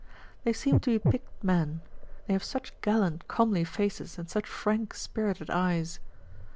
They seem to be picked men: they have such gallant, comely faces and such frank, spirited eyes.